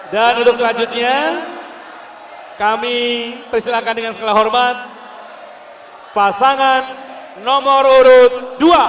dan untuk selanjutnya kami persilakan dengan segala hormat pasangan nomor urut dua